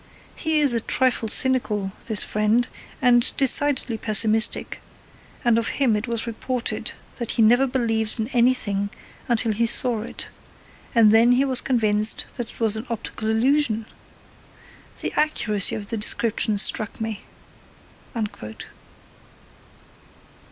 He is a trifle cynical, this friend, and decidedly pessimistic, and of him it was reported that he never believed in anything until he saw it, and then he was convinced that it was an optical illusion. The accuracy of the description struck me.